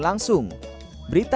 saya sudah bisa gitu